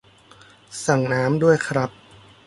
สั่งน้ำด้วยครับ